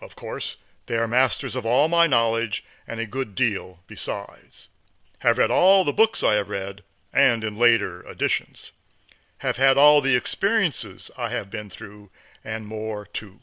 Of course they are masters of all my knowledge, and a good deal besides; have read all the books I have read, and in later editions; have had all the experiences I have been through, and more too.